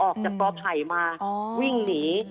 ก็ถ่ายมาวิ่งหนี